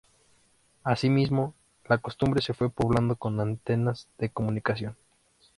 Asimismo, la cumbre se fue poblando con antenas de comunicación.